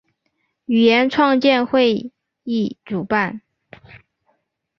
语言创建会议主办。